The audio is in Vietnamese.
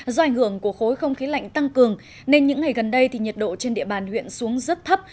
do ảnh hưởng của khối không khí lạnh tăng cường nên những ngày gần đây nhiệt độ trên địa bàn huyện xuống rất thấp